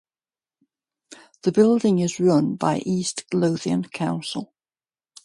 The building is run by East Lothian Council.